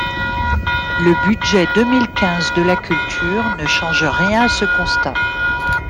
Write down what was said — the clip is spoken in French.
Le budget deux mille quinze de la culture ne change rien à ce constat.